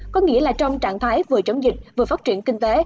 có nghĩa là trong trạng thái vừa chống dịch vừa phát triển kinh tế